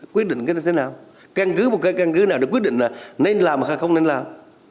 quyết định cái này sẽ nào căn cứ một cái căn cứ nào để quyết định là nên làm hay không nên làm